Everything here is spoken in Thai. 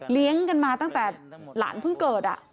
กันมาตั้งแต่หลานเพิ่งเกิด